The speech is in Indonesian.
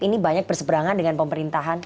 ini banyak berseberangan dengan pemerintahan